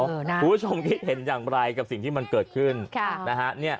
คุณผู้ชมคิดเห็นอย่างไรกับสิ่งที่มันเกิดขึ้นนะฮะ